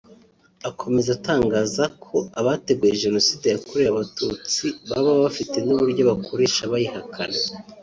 Akomeza atangaza ko abateguye Jenoside yakorewe Abatutsi baba bafite n’uburyo bakoresha bayihakana